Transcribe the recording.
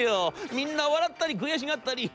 みんな笑ったり悔しがったり。